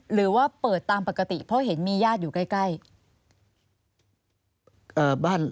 หรือว่าเปิดตามปกติเพราะเห็นมีญาติอยู่ใกล้